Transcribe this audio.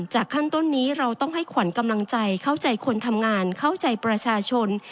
ขั้นต้นนี้เราต้องให้ขวัญกำลังใจเข้าใจคนทำงานเข้าใจประชาชน